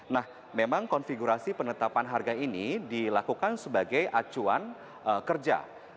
nah memang konfigurasi penetapan harga ini dilakukan sebagai acuan kerja